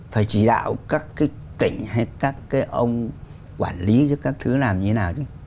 phải chỉ đạo các cái tỉnh hay các cái ông quản lý chứ các thứ làm như thế nào chứ